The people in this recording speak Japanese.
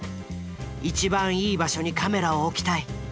一番いい場所にカメラを置きたい。